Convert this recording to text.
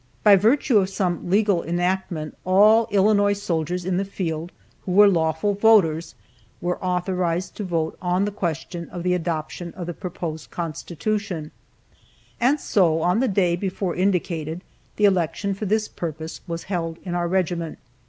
By virtue of some legal enactment all Illinois soldiers in the field, who were lawful voters, were authorized to vote on the question of the adoption of the proposed constitution, and so, on the day above indicated the election for this purpose was held in our regiment.